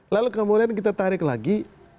lalu kemudian kita tarik lagi